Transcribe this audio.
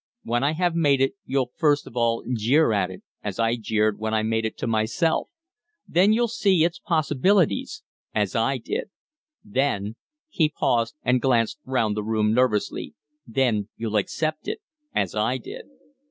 When I have made it you'll first of all jeer at it as I jeered when I made it to myself; then you'll see its possibilities as I did; then," he paused and glanced round the room nervously "then you'll accept it as I did."